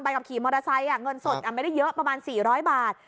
กับขี่มอเตอร์ไซค์เงินสดไม่ได้เยอะประมาณ๔๐๐บาท